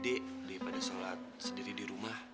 daripada sholat sendiri di rumah